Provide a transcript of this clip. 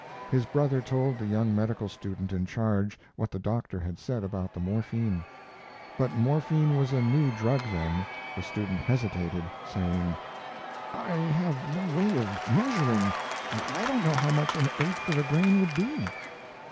His brother told the young medical student in charge what the doctor had said about the morphine. But morphine was a new drug then; the student hesitated, saying: "I have no way of measuring. I don't know how much an eighth of a grain would be."